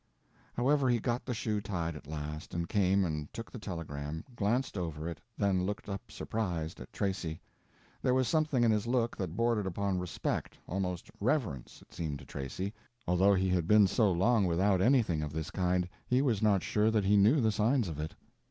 However, he got the shoe tied at last, and came and took the telegram, glanced over it, then looked up surprised, at Tracy. There was something in his look that bordered upon respect, almost reverence, it seemed to Tracy, although he had been so long without anything of this kind he was not sure that he knew the signs of it.